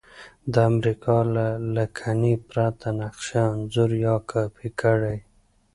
د امریکا له لکنې پرته نقشه انځور یا کاپي کړئ.